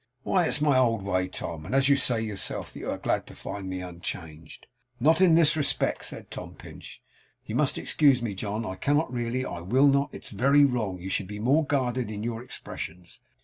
'Why, it's my old way, Tom; and you say yourself that you are glad to find me unchanged.' 'Not in this respect,' said Tom Pinch. 'You must excuse me, John. I cannot, really; I will not. It's very wrong; you should be more guarded in your expressions.